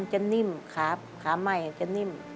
หน้ากลิ้ม